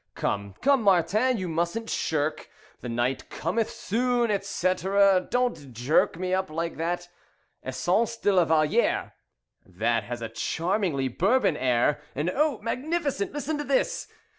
Come, come, Martin, you mustn't shirk. 'The night cometh soon' etc. Don't jerk Me up like that. 'Essence de la Valliere' That has a charmingly Bourbon air. And, oh! Magnificent! Listen to this!